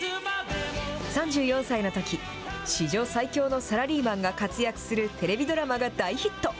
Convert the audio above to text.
３４歳のとき、史上最強のサラリーマンが活躍するテレビドラマが大ヒット。